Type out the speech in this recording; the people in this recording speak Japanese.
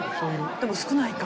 でも少ないか。